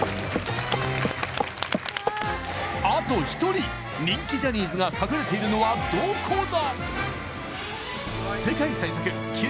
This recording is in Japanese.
あと１人人気ジャニーズが隠れているのはどこだ？